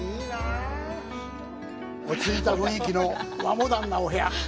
落ち着いた雰囲気の和モダンなお部屋。